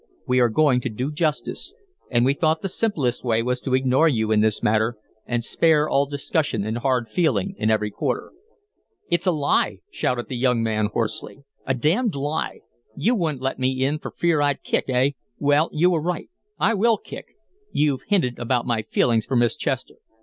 We are going to do justice, and we thought the simplest way was to ignore you in this matter and spare all discussion and hard feeling in every quarter." "It's a lie!" shouted the young man, hoarsely. "A damned lie! You wouldn't let me in for fear I'd kick, eh? Well, you were right. I will kick. You've hinted about my feelings for Miss Chester.